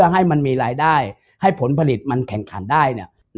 ให้มันมีรายได้ให้ผลผลิตมันแข่งขันได้